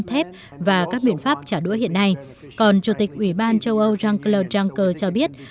thép và các biện pháp trả đũa hiện nay còn chủ tịch ủy ban châu âu jean claude juncker cho biết